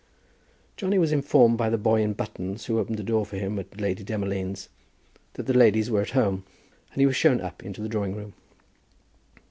Johnny was informed by the boy in buttons, who opened the door for him at Lady Demolines', that the ladies were at home, and he was shown up into the drawing room.